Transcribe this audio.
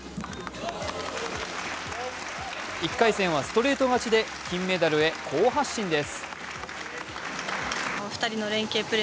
１回戦はストレート勝ちで金メダルへ好発進です。